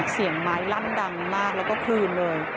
เสียงไม้ลั่นดังมากแล้วก็คืนเลย